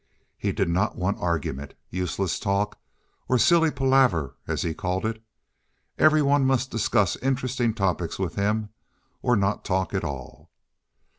He did not want argument, useless talk, or silly palaver as he called it. Every one must discuss interesting topics with him or not talk at all.